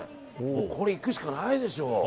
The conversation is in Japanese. これ、いくしかないでしょ。